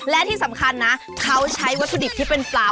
และที่สำคัญนะเขาใช้วัตถุดิบที่เป็นปลา